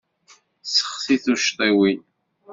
Seɣti tucḍiwin.